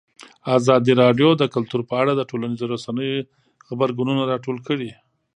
ازادي راډیو د کلتور په اړه د ټولنیزو رسنیو غبرګونونه راټول کړي.